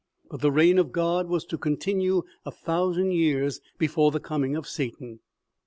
But the reign of God was to continue a thousand years before the coming of Satan.